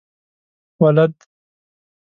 ولد؟